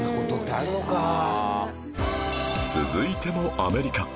続いてもアメリカ